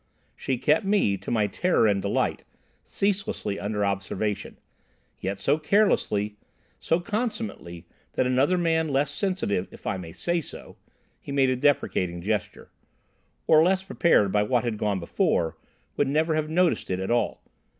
She kept me, to my terror and delight, ceaselessly under observation, yet so carelessly, so consummately, that another man less sensitive, if I may say so"—he made a deprecating gesture—"or less prepared by what had gone before, would never have noticed it at all.